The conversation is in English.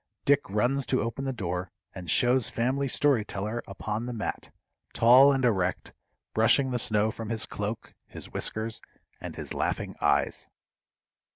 Dick runs to open the door, and shows Family Story Teller upon the mat, tall and erect, brushing the snow from his cloak, his whiskers, and his laughing eyes.